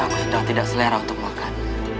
aku sedang tidak selera untuk makan